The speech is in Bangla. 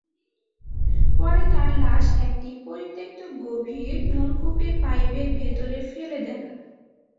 পরে তাঁর লাশ একটি পরিত্যক্ত গভীর নলকূপের পাইপের ভেতরে ফেলে দেন।